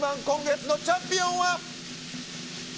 今月のチャンピオンは。